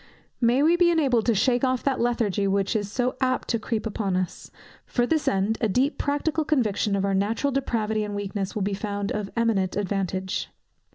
May we be enabled to shake off that lethargy which is so apt to creep upon us! For this end, a deep practical conviction of our natural depravity and weakness will be found of eminent advantage.